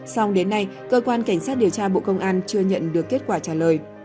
song đến nay cơ quan cảnh sát điều tra bộ công an chưa nhận được kết quả trả lời